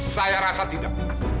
saya rasa tidak